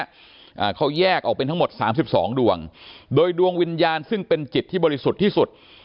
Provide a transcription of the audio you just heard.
อ่าเขาแยกออกเป็นทั้งหมดสามสิบสองดวงโดยดวงวิญญาณซึ่งเป็นจิตที่บริสุทธิ์ที่สุด